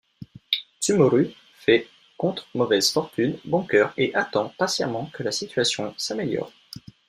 Tsumoru fait contre mauvaise fortune bon cœur et attend patiemment que la situation s'améliore.